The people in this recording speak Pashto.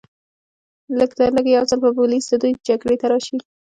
لږترلږه یو ځل به پولیس د دوی جګړې ته راشي